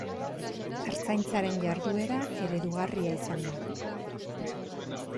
Ertzaintzaren jarduera eredugarria izan da.